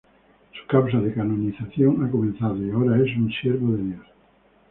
Su causa de canonización ha comenzado y que ahora es un Siervo de Dios.